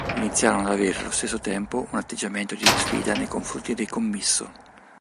Iniziano ad avere allo stesso tempo un atteggiamento di sfida nei confronti dei Commisso.